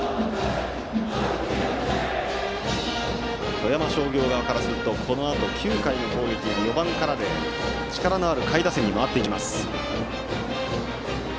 富山商業側からすると９回の攻撃は４番からで力のある下位打線に回っていきます。